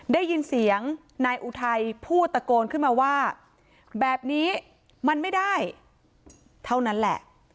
ได้ยินเสียงนายอุทัยพูดตะโกนขึ้นมาว่าแบบนี้มันไม่ได้เท่านั้นแหละ